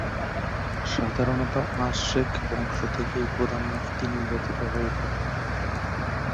সাধারণত আশ-শেখ বংশ থেকেই প্রধান মুফতি নির্বাচিত হয়ে থাকে।